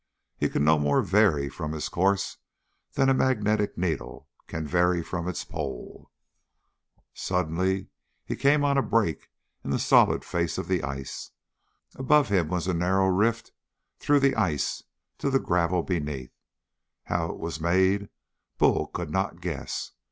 He could no more vary from his course than a magnetic needle can vary from its pole. Suddenly he came on a break in the solid face of the ice. Above him was a narrow rift through the ice to the gravel beneath; how it was made, Bull could not guess.